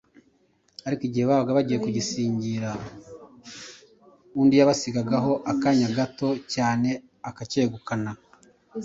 ariko igihe babaga bagiye kugisingira, undi yabasigagaho akanya gato cyane akacyegukana.